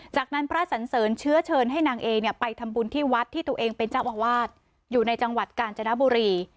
จากนั้นพระสันเสริญเชื้อเชิญให้นางเอเนี่ยไปทำบุญที่วัดที่ตัวเองเป็นเจ้าอาวาสอยู่ในจังหวัดกาญจนบุรี